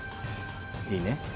いいね？